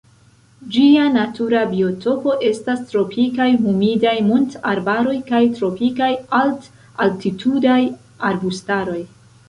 Ĝia natura biotopo estas tropikaj humidaj montarbaroj kaj tropikaj alt-altitudaj arbustaroj.